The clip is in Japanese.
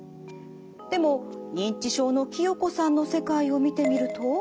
でも認知症の清子さんの世界を見てみると。